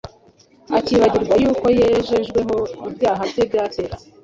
akibagirwa yuko yejejweho ibyaha bye bya kera